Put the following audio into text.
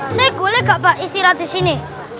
saya boleh gak pak istirahat disini